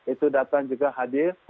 itu datang juga hadir